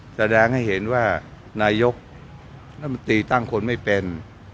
แสดงให้เห็นว่านายกรัฐมนตรีตั้งคนไม่เป็น